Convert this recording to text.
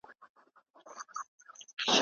انسانان باید د طبعیت په اړه خپله پوهه زیاته کړي.